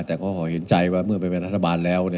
แต่ก็ขอเห็นใจว่าเมื่อไปเป็นรัฐบาลแล้ว